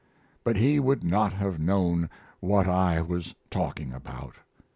But he would not have known what I was talking about.